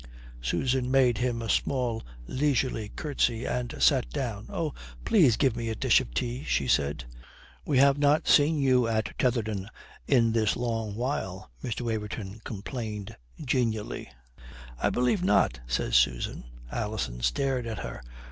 Susan made him a small leisurely curtsy and sat down. "Oh, please give me a dish of tea," she said. "We have not seen you at Tetherdown in this long while," Mr. Waverton complained genially. "I believe not," says Susan. Alison stared at her.